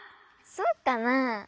そうかなあ？